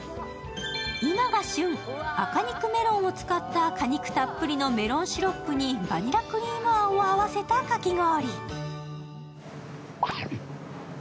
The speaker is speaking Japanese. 今が旬、赤肉メロンを使った果肉たっぷりのメロンシロップにバニラクリームあんを合わせたかき氷。